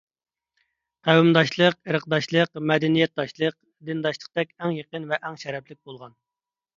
قەۋمداشلىق، ئىرقداشلىق، مەدەنىيەتداشلىق، دىنداشلىقتەك ئەڭ يېقىن ۋە ئەڭ شەرەپلىك بولغان.